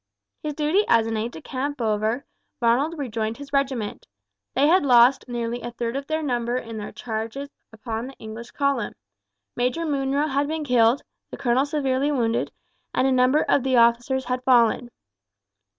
His duty as aide de camp over, Ronald rejoined his regiment. They had lost nearly a third of their number in their charges upon the English column. Major Munro had been killed, the colonel severely wounded, and a number of officers had fallen.